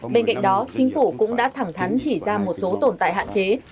bên cạnh đó chính phủ cũng đã thẳng thắn chỉ ra một số tồn tại hạn chế